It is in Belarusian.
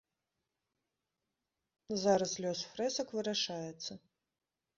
Зараз лёс фрэсак вырашаецца.